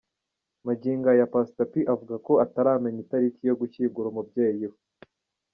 Magingo aya, Pastor P avuga ko atari yamenya itariki yo gushyingura umubyeyi we.